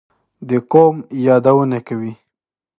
دې قوم یادونه کوي.